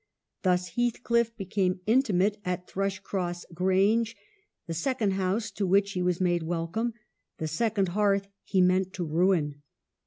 Thus, Heathcliff became intimate at Thrushcross Grange, the second house to which he was made welcome, the second hearth he meant to ruin.